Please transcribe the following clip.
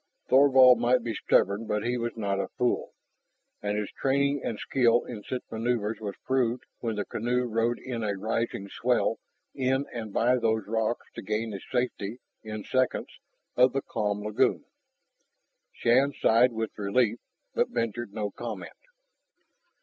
Thorvald might be stubborn, but he was not a fool. And his training and skill in such maneuvers was proved when the canoe rode in a rising swell in and by those rocks to gain the safety, in seconds, of the calm lagoon. Shann sighed with relief, but ventured no comment.